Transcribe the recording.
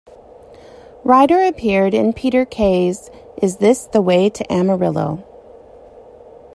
Ryder appeared in Peter Kay's Is This the Way to Amarillo?